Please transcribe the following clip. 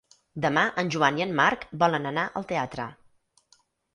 Demà en Joan i en Marc volen anar al teatre.